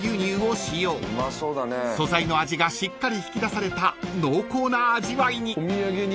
［素材の味がしっかり引き出された濃厚な味わいに］